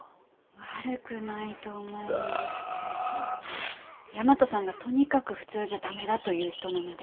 悪くないと思うんですけど大和さんがとにかく普通じゃダメだという人なので。